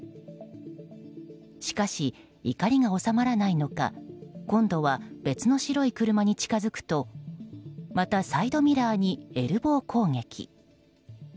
しかし、怒りが収まらないのか今度は別の白い車に近づくとまた、サイドミラーにエルボー攻撃。